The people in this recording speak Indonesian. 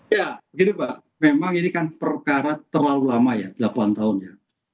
ya gini pak memang ini kan perkara terlalu lama ya delapan tahun ya